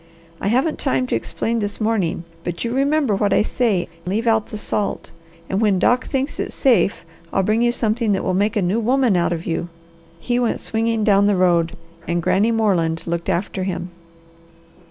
I haven't time to explain this morning, but you remember what I say, leave out the salt, and when Doc thinks it's safe I'll bring you something that will make a new woman of you." He went swinging down the road, and Granny Moreland looked after him.